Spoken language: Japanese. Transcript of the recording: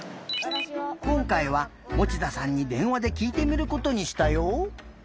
こんかいは持田さんにでんわできいてみることにしたよ。